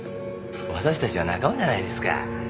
私たちは仲間じゃないですか。